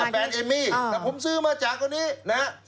แฟนเอมมี่ผมซื้อมาจากตัวนี้นะครับ